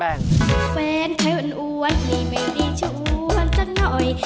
แฟนใครอ้วนนี่ไม่ดีชวนสักหน่อย